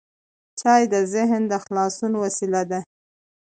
چای د ذهن د خلاصون وسیله ده.